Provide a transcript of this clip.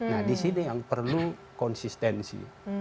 nah di sini yang perlu konsistensi